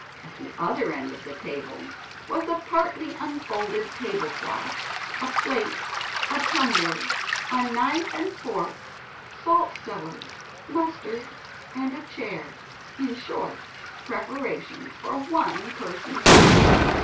At the other end of the table was a partly unfolded tablecloth, a plate, a tumbler, a knife and fork, salt cellar, mustard and a chair in short, preparations for one person's supper.